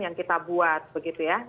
yang kita buat begitu ya